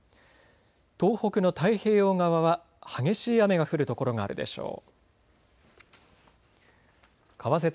東北の太平洋側は激しい雨が降る所があるでしょう。